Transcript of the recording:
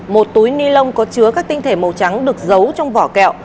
một túi ni lông có chứa các tinh thể màu trắng được giấu trong vỏ kẹo